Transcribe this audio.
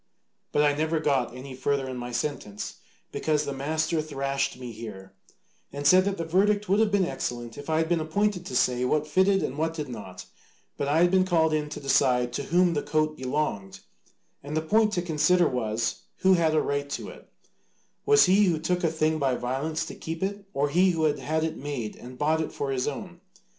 But I never got any further in my sentence, because the master thrashed me here, and said that the verdict would have been excellent if I had been appointed to say what fitted and what did not, but I had been called in to decide to whom the coat belonged, and the point to consider was, who had a right to it: Was he who took a thing by violence to keep it, or he who had had it made and bought it for his own?